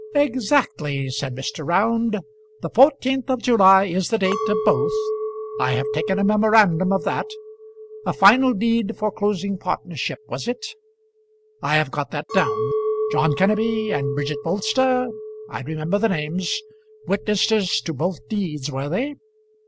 "Exactly," said Mr. Round. "The fourteenth of July is the date of both. I have taken a memorandum of that. A final deed for closing partnership, was it? I have got that down. John Kenneby and Bridget Bolster. I remember the names, witnesses to both deeds, were they?